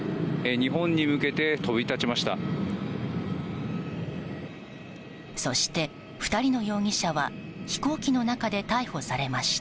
日本に向けて飛び立ちました。